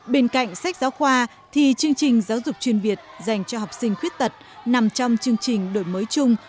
bên cạnh sách giáo khoa thì chương trình giáo dục chuyên biệt dành cho học sinh khuyết tật nằm trong chương trình đổi mới chung